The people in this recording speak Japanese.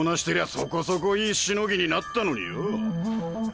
てりゃそこそこいいしのぎになったのによぉ。